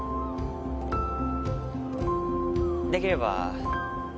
できれば